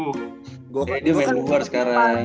kayaknya dia main luar sekarang